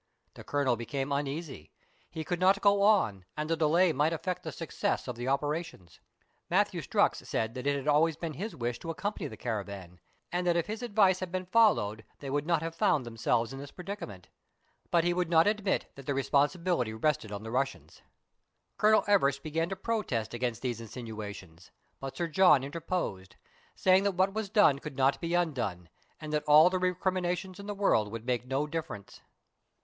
The Colonel became uneasy ; he could not go on, and the delay might affect the success of the operations. Matthew Strux said that it had always been his wish to accompany the caravan, and that if his advice had been followed they would not have found themselves in this predicament; but he would not admit that the responsibility rested on the Russians. Colonel Everest began to protest against these insinuations, but Sir John interposed, saying that what was done could not be undone, and that all the recriminations in the world would make no difference.